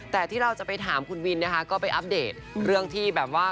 แต่ที่เราจะไปถามคุณวินนะคะก็ไปอัปเดตเรื่องที่แบบว่า